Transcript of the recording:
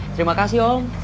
terima kasih om